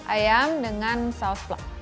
ayam dengan saus plak